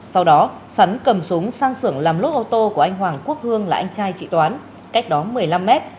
sau đó sắn cầm súng sang sưởng làm lốp ô tô của anh hoàng quốc hương là anh trai chị toán cách đó một mươi năm mét